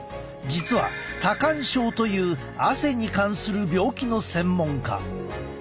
実は多汗症という汗に関する病気の専門家。